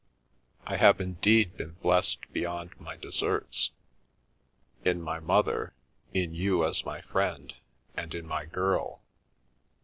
I have indeed been blest beyond my deserts — in my mother, in you as my friend, and in my girl.